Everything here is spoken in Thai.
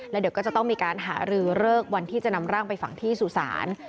เดี๋ยวก็จะต้องมีการหารือเลิกวันที่จะนำร่างไปฝังที่สุสาน